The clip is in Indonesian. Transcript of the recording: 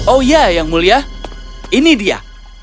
oh ya yang mulia ini dia